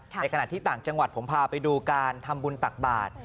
ในขณะที่ต่างจังหวัดผมพาไปดูการทำบุญตักบาท